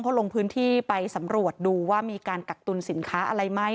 เขาลงพื้นที่ไปสำรวจดูว่ามีการกักตุลสินค้าอะไรไหม